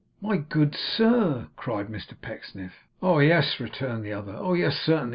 'My good sir!' cried Mr Pecksniff. 'Oh yes!' returned the other; 'oh yes, certainly!